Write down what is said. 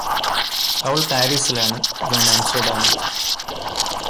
അവൾ പാരിസിലാണ് ഞാന് ആംസ്റ്റർഡാമിലും